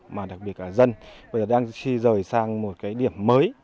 mà đặc biệt là dân bây giờ đang chi rời sang một cái điểm mới